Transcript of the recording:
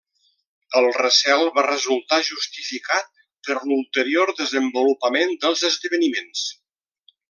El recel va resultar justificat per l'ulterior desenvolupament dels esdeveniments.